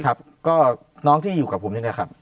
ครับก็น้องที่อยู่กับผมนี่แหละครับ